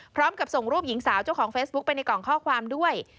พร้อมกับส่งรูปหญิงสาวเจ้าของเฟซบุ๊คไปในกล่องข้อความด้วย